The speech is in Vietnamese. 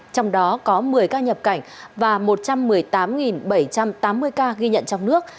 trong đó có một mươi ca nhập cảnh và một trăm một mươi tám bảy trăm tám mươi ca ghi nhận trong nước